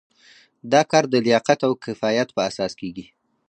دا کار د لیاقت او کفایت په اساس کیږي.